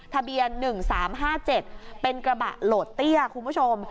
ทะเบียน๑๓๕๗เป็นกระบะโหลดเตี้ยคุณผู้ชม